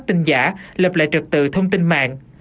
phát tinh giả lập lại trực tự thông tin mạng